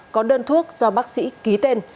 có đơn thuốc do bác sĩ ký tên